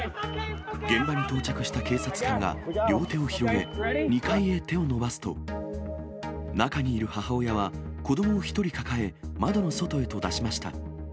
現場に到着した警察官が両手を広げ、２階へ手を伸ばすと、中にいる母親は、子どもを１人抱え、窓の外へと出しました。